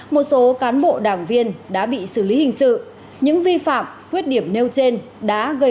một số cán bộ đảng viên đã bị xử lý hình sự những vi phạm khuyết điểm nêu trên đã gây